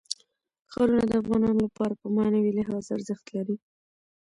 ښارونه د افغانانو لپاره په معنوي لحاظ ارزښت لري.